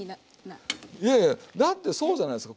いやいやだってそうじゃないですか。